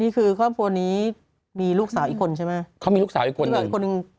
นี่คือครอบครัวนี้มีลูกสาวอีกคนใช่ไหมเขามีลูกสาวอีกคนหนึ่ง